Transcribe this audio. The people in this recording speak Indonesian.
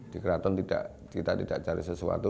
di keraton kita tidak cari sesuatu